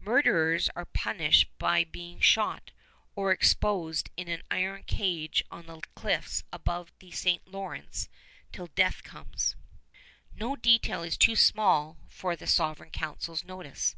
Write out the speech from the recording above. Murderers are punished by being shot, or exposed in an iron cage on the cliffs above the St. Lawrence till death comes. No detail is too small for the Sovereign Council's notice.